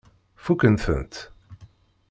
Fukken-tent?